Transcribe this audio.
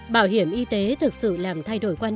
bảo hiểm y tế thực sự làm thay đổi quan